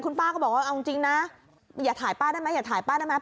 ป้าก็บอกว่าเอาจริงนะอย่าถ่ายป้าได้ไหมอย่าถ่ายป้าได้ไหม